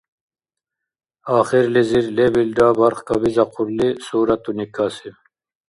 Ахирлизир, лебилра барх кабизахъурли, суратуни касиб.